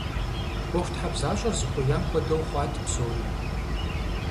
ӀуэхутхьэбзащӀэр зыхуеям хуэдэу хъуат псори.